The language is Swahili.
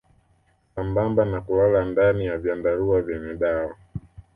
Sambamba na kulala ndani ya vyandarua vyenye dawa